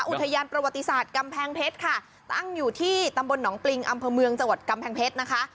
อุทยานประวัติศาสตร์กำแพงเพชรค่ะตั้งอยู่ที่ตำบลหนองปริงอำเภอเมืองจังหวัดกำแพงเพชรนะคะ